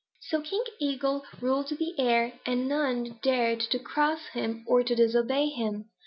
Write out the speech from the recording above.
"So King Eagle ruled the air and none dared to cross him or to disobey him.